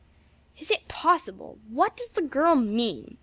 "Is it possible! what does the girl mean!"